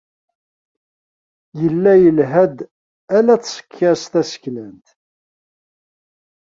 Yella yelha-d ala d tṣekka-s taseklant.